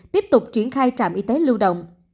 tiếp tục triển khai trạm y tế lưu động